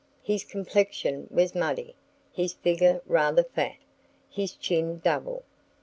His complexion was muddy, his figure rather fat, his chin double.